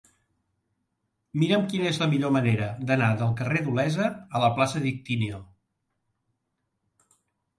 Mira'm quina és la millor manera d'anar del carrer d'Olesa a la plaça de l'Ictíneo.